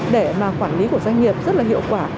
để mà quản lý của doanh nghiệp rất là hiệu quả